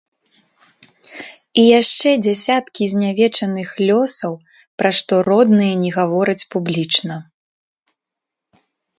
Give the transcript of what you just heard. І яшчэ дзясяткі знявечаных лёсаў, пра што родныя не гавораць публічна.